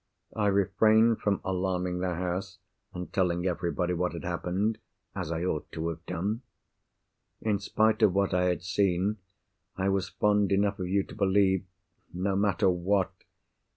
I refrained from alarming the house, and telling everybody what had happened—as I ought to have done. In spite of what I had seen, I was fond enough of you to believe—no matter what!